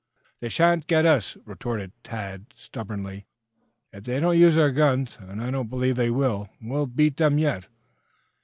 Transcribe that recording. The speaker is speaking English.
"They shan't get us!" retorted Tad stubbornly. "If they don't use their guns and I don't believe they will we'll beat them yet."